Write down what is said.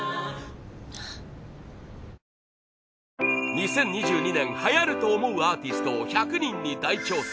２０２２年流行ると思うアーティストを１００人に大調査。